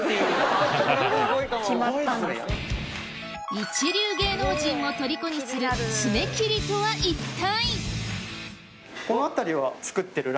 一流芸能人もとりこにする爪切りとは一体？